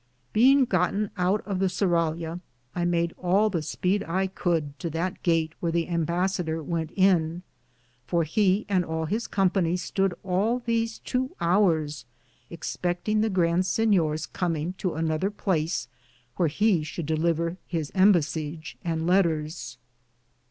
—' Beinge gotten oute of the surralia, I made all the spede I could to that gate where the imbassador wente in, for he and all his Company stode all these tow houres expecktinge the Grand Sinyors cominge to another place whear he should deliver his imbassege and Letteres. ^ Sequins. 72 DALLAM'S TRAVELS.